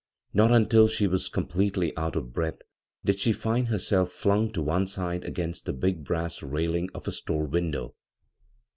Not until she was completely out of breath did she find herself flung to one side against the big brass railing of a store window.